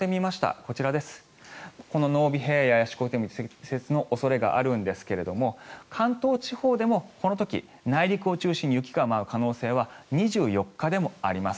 こちら、この濃尾平野や四国でも積雪の恐れがあるんですが関東地方でもこの時、内陸を中心に雪が舞う可能性は２４日でもあります。